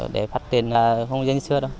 để phát triển không như dân xưa đâu